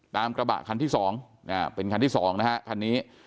กระบะคันที่๒เป็นคันที่๒นะฮะคันนี้